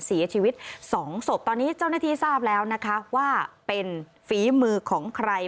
เสียชีวิตสองศพตอนนี้เจ้าหน้าที่ทราบแล้วนะคะว่าเป็นฝีมือของใคร